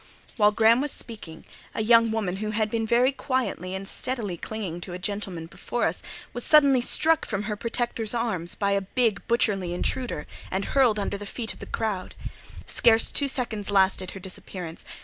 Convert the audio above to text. While Graham was speaking, a young girl who had been very quietly and steadily clinging to a gentleman before us, was suddenly struck from her protector's arms by a big, butcherly intruder, and hurled under the feet of the crowd. Scarce two seconds lasted her disappearance.